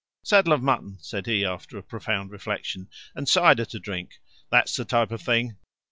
"Saddle of mutton," said he after profound reflection: "and cider to drink. That's the type of thing.